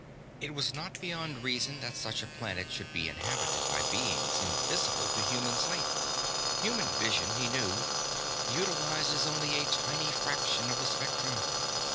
It was not beyond reason that such a planet should be inhabited by beings invisible to human sight. Human vision, as he knew, utilizes only a tiny fraction of the spectrum.